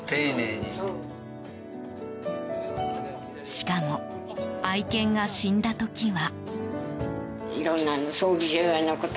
しかも、愛犬が死んだ時は。